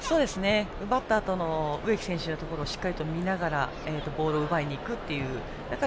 奪ったあとの植木選手のところしっかりと見ながらボールを奪いにいくという。